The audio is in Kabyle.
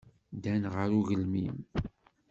Ddant ɣer ugelmim.